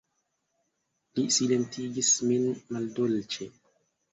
Li silentigis min maldolĉe.